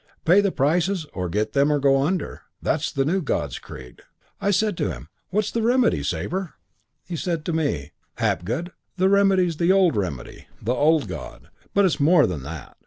Pay the prices, or get them, or go under. That's the new God's creed.' "I said to him, 'What's the remedy, Sabre?' "He said to me, 'Hapgood, the remedy's the old remedy. The old God. But it's more than that.